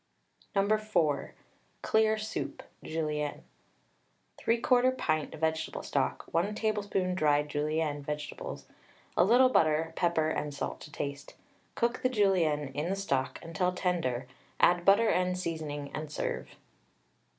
No. 4. CLEAR SOUP (Julienne). 3/4 pint vegetable stock, 1 tablespoonful dried Julienne (vegetables), a little butter, pepper and salt to taste. Cook the Julienne in the stock until tender, add butter and seasoning and serve.